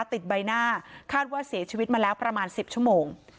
ติดใบหน้าคาดว่าเสียชีวิตมาแล้วประมาณ๑๐ชั่วโมง